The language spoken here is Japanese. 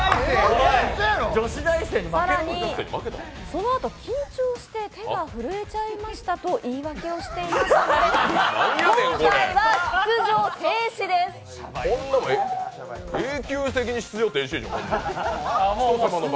更にそのあと緊張して手が震えちゃいましたと言い訳をしていましたのでこんなの永久的に出場停止でしょ。